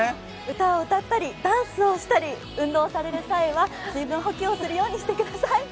歌を歌ったり、ダンスをしたり運動される際は水分補給をするようにしてください。